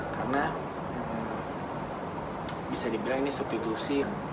karena bisa dibilang ini substitusi